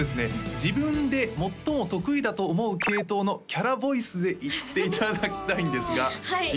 自分で最も得意だと思う系統のキャラボイスで言っていただきたいんですがはい